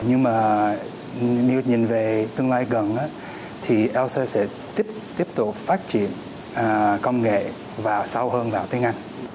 nhưng mà nếu nhìn về tương lai gần thì lc sẽ tiếp tục phát triển công nghệ và sâu hơn vào tiếng anh